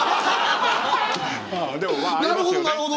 なるほどなるほど。